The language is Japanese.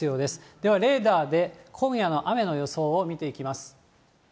では、レーダーで今夜の雨の予想を見ていきます。